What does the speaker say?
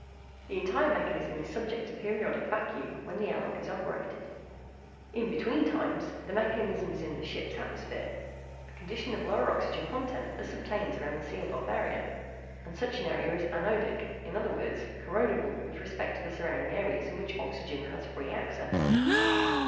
The entire mechanism is subject to periodic vacuum, when the airlock door is operated. In between times, the mechanism is in the ship's atmosphere. A condition of lower oxygen content thus obtains around the sealed off area, and such an area is anodic in other words, corrodible with respect to the surrounding areas in which oxygen has free access.